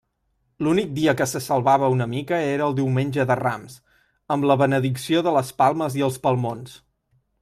L'únic dia que se salvava una mica era el Diumenge de Rams, amb la benedicció de les palmes i els palmons.